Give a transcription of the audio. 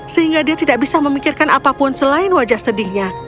sehingga dia tidak bisa memikirkan apapun selain wajah sedihnya